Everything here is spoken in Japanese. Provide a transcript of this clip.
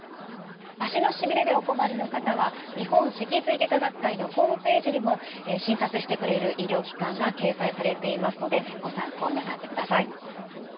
足のしびれでお困りの方は日本脊髄外科学会のホームページにも診察してくれる医療機関が掲載されていますのでご参考になさってください。